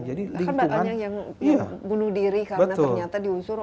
kan mbak desy yang bunuh diri karena ternyata diusur